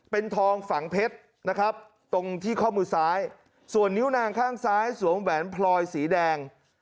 เป็นทองฝังเพชรนะครับตรงที่ข้อมือซ้ายส่วนนิ้วนางข้างซ้ายสวมแหวนพลอยสีแดง